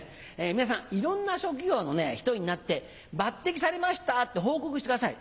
皆さんいろんな職業の人になって「抜擢されました」って報告してください。